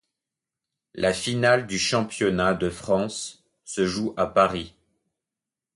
La finale du championnat de France se joue à Paris.